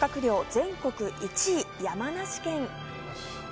全国１位、山梨県。